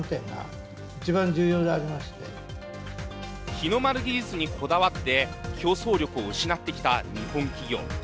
日の丸技術にこだわって競争力を失ってきた日本企業。